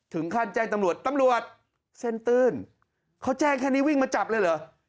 แจ้งตำรวจตำรวจเส้นตื้นเขาแจ้งแค่นี้วิ่งมาจับเลยเหรอ